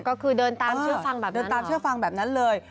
ก็คือเดินตามเชื่อฟังแบบเดินตามเชื่อฟังแบบนั้นเลย